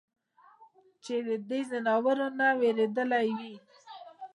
چې د دې ځناورو نه وېرېدلے وي ؟